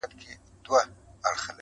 یا به نن یا به سباوي زه ورځمه-